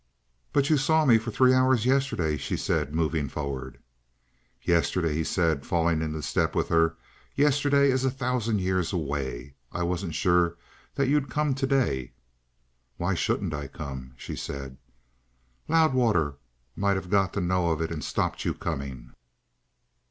"But you saw me for three hours yesterday," she said, moving forward. "Yesterday?" he said, falling into step with her. "Yesterday is a thousand years away. I wasn't sure that you'd come today." "Why shouldn't I come?" she said. "Loudwater might have got to know of it and stopped you coming."